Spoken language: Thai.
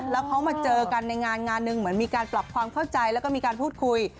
แล้วเขามาเจอกันในงานงานหนึ่งเหมือนมีการปรับความเข้าใจแล้วก็มีการพูดคุย